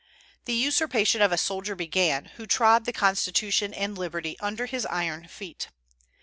The usurpation of a soldier began, who trod the constitution and liberty under his iron feet.